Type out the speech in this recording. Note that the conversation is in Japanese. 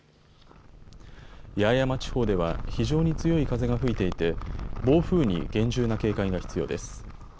八重山地方では非常に強い風が吹いていて暴風に厳重な警戒が必要です。